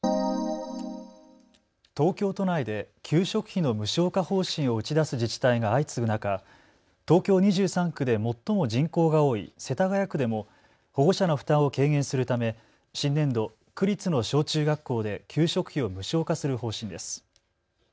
東京都内で給食費の無償化方針を打ち出す自治体が相次ぐ中、東京２３区で最も人口が多い世田谷区でも保護者の負担を軽減するため新年度、区立の小中学校で給食費を無償化する方針です。